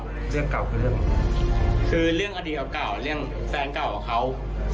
เรื่องเก่าคือเรื่องคือเรื่องอดีตเก่าเก่าเรื่องแฟนเก่ากับเขา